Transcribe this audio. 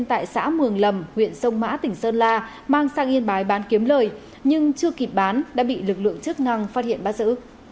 tại xã mường lầm huyện sông mã tỉnh sơn la mang sang yên bái bán kiếm lời nhưng chưa kịp bán đã bị lực lượng chức năng phát hiện bắt giữ